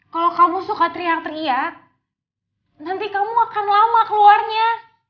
kalau kamu suka teriak teriak nanti kamu akan lama keluarnya